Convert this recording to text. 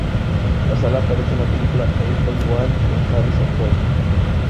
La sala aparece en la película Air Force One con Harrison Ford.